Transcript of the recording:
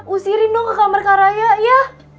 usirin dong ke kamar kak raya ya